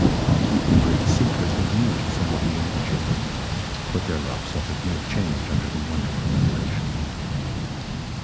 The great secret was new to some of the younger children, but their love suffered no change under the wonderful revelation.